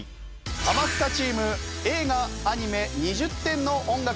ハマスカチーム映画・アニメ２０点の音楽スタートです。